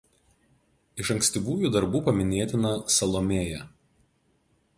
Iš ankstyvųjų darbų paminėtina „Salomėja“.